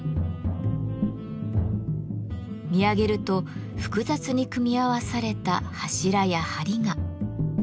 見上げると複雑に組み合わされた柱や梁が。